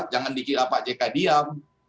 jangan dikira pak j k diam